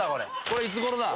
これいつごろだ？